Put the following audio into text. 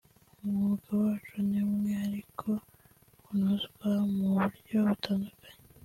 umwuga wacu ni umwe ariko unozwa mu buryo butandukanye